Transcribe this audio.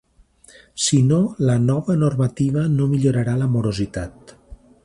Si no, la nova normativa no millorarà la morositat.